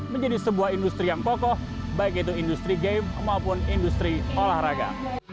menjadi sebuah industri yang kokoh baik itu industri game maupun industri olahraga